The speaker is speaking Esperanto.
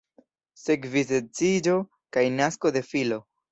Sekvis edziĝo kaj nasko de filo.